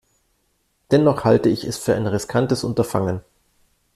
Dennoch halte ich es für ein riskantes Unterfangen.